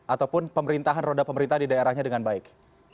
ataupun pemerintahan roda pemerintah di daerahnya dengan baik